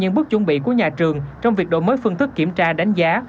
những bước chuẩn bị của nhà trường trong việc đổi mới phương thức kiểm tra đánh giá